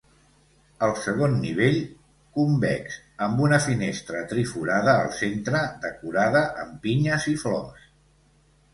El segon nivell, convex, amb una finestra triforada al centre, decorada amb pinyes i flors.